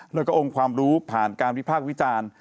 แล้วก็องค์ความรู้ผ่านการวิพากษ์วิจารณ์